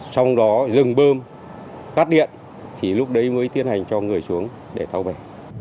xong đó dừng bơm khắt điện thì lúc đấy mới tiến hành cho người xuống để thao bể